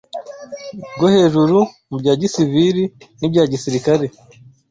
rwo hejuru mu bya gisivili n’ibya gisirikare.